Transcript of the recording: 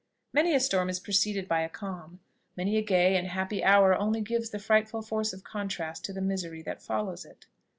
Many a storm is preceded by a calm, many a gay and happy hour only gives the frightful force of contrast to the misery that follows it.